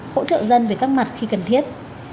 hỗ trợ dân về các mặt khi cần thiết